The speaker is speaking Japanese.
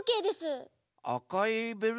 あかいベルトね。